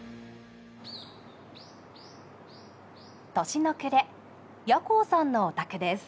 年の暮れ八高さんのお宅です。